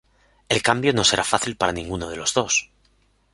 El cambio no será fácil para ninguno de los dos.